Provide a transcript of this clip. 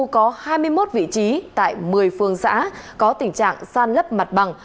có hai mươi một vị trí tại một mươi phương xã có tình trạng san lấp mặt bằng